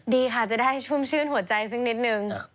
ดีค่ะจะได้ชุ่มชื่นหัวใจสักนิดนึง